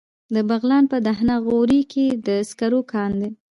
د بغلان په دهنه غوري کې د سکرو کان دی.